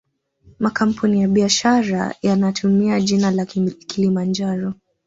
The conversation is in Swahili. Makampuni ya biashara yanatumia jina la kilimanjaro